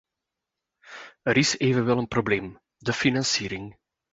Er is evenwel een probleem: de financiering.